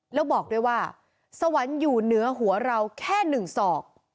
แล้วบอกด้วยว่าสวรรค์อยู่เหนือหัวเราแค่หนึ่งศอก